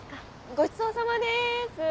ごちそうさまです！